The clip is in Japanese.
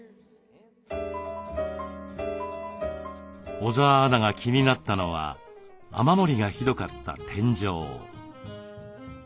小澤アナが気になったのは雨漏りがひどかった天井。